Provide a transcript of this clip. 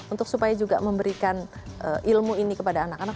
untuk supaya juga memberikan ilmu ini kepada anak anak